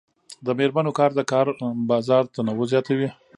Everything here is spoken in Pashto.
د میرمنو کار د کار بازار تنوع زیاتوي.